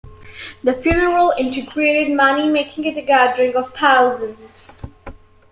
The funeral intrigued many, making it a gathering of thousands.